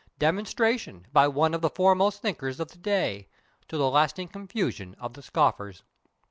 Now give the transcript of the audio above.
demonstration by one of the foremost thinkers of the day, to the lasting confusion of the scoffers.